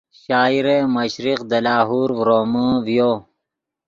شاعر مشرق دے لاہور ڤرومے ڤیو